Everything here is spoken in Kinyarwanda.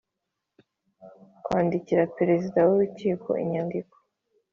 kwandikira perezida w urukiko inyandiko